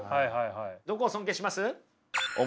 どこを尊敬します？